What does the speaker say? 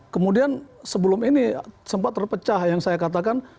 kemudian sebelum ini sempat terpecah yang saya katakan